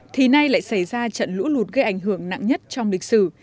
thì nay lại xảy ra trận lũ lụt gây ảnh hưởng nặng nhất trong lịch sử